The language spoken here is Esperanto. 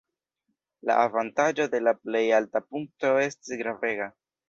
La avantaĝo de la plej alta punkto estis gravega.